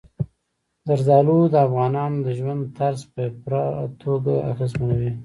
زردالو د افغانانو د ژوند طرز په پوره توګه اغېزمنوي.